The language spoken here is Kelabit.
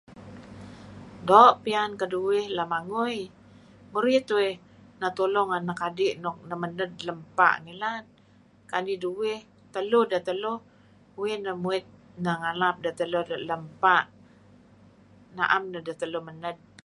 Doo' pian kedung lemangui. Murih tuih neh tulung anak adi' nuk neh mened lem ebpa' malem. Kanid uih/ Teluh deteluh. Uih neh muit, neh ngalap deteluh let lem ebpa'. Na'em neh deteluh mened.